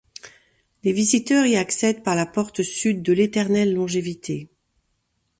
Les visiteurs y accèdent par la porte sud de l'Éternelle longévité.